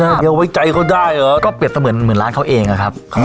เมืองไว้ใจเขาได้หรอก็เปรียบท์เขาเหมือนเหมือนร้านเขาเองอ่ะครับ